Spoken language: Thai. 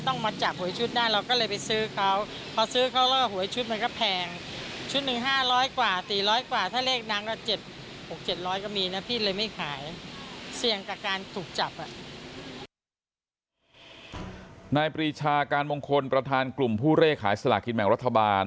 ปรีชาการมงคลประธานกลุ่มผู้เลขขายสลากินแบ่งรัฐบาล